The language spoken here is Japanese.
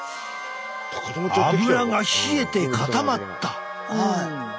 アブラが冷えて固まった。